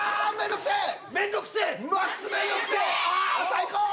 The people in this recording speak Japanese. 最高！